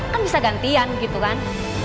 kan bisa gantian gitu kan